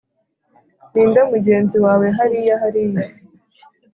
ninde mugenzi wawe hariya hariya